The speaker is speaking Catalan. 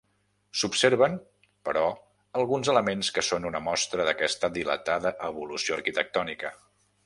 S'observen, però, alguns elements que són una mostra d'aquesta dilatada evolució arquitectònica.